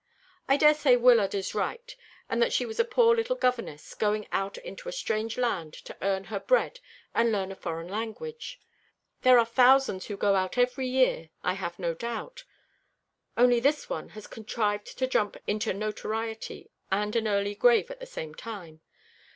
I daresay Wyllard is right, and that she was a poor little governess, going out into a strange land to earn her bread and learn a foreign language. There are thousands who go out every year, I have no doubt; only this one has contrived to jump into notoriety and an early grave at the same time.